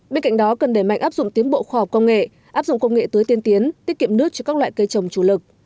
bên cạnh đó cần đẩy mạnh áp dụng tiến bộ khoa học công nghệ áp dụng công nghệ tưới tiên tiến tiết kiệm nước cho các loại cây trồng chủ lực